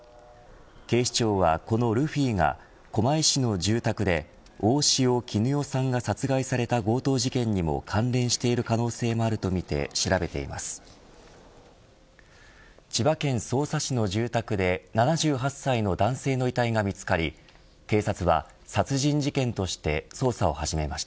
警視庁は、このルフィが狛江市の住宅で大塩衣与さんが殺害された強盗事件にも関連している可能性があるとみて調べています。